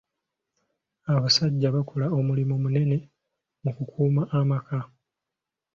Abasajja bakola omulimu munene mu kukuuma amaka.